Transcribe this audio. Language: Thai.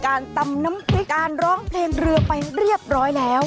ตำน้ำพริกการร้องเพลงเรือไปเรียบร้อยแล้ว